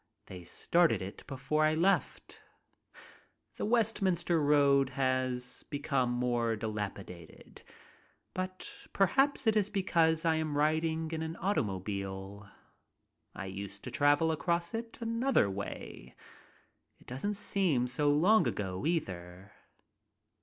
They started it before I left. The Westminster Road has become very dilapidated, but perhaps it is because I am riding in an automobile. I used to travel across it another way. It doesn't seem so long ago, either.